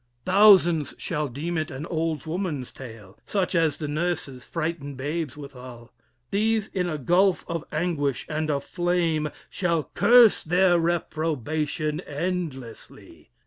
Thousands shall deem it an old woman's tale, Such as the nurses frighten babes withal. These in a gulph of anguish and of flame Shall curse their reprobation endlessly.